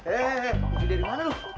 eh bukti dari mana lu